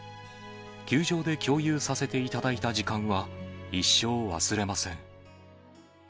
球場で共有させていただいた時間は、一生忘れません。